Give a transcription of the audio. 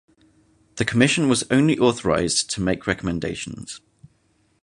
The Commission was only authorized to make recommendations.